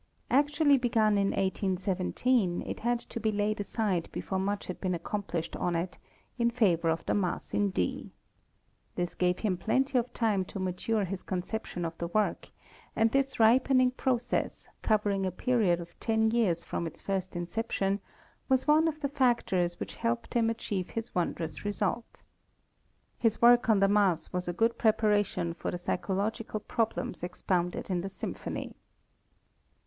Actually begun in 1817, it had to be laid aside before much had been accomplished on it, in favor of the Mass in D. This gave him plenty of time to mature his conception of the work; and this ripening process, covering a period of ten years from its first inception, was one of the factors which helped him achieve his wondrous result. His work on the Mass was a good preparation for the psychological problems expounded in the Symphony.